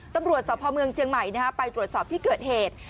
ตำรวจสพเมืองเชียงใหม่ไปตรวจสอบที่เกิดเหตุ